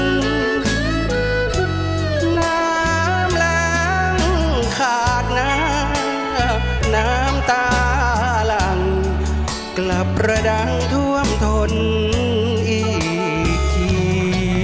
น้ำล้างขาดหน้าน้ำตาหลังกลับระดังท่วมทนอีกที